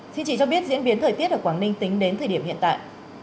xin chị cho biết diễn biến thời tiết ở quảng ninh tính đến thời điểm hiện tại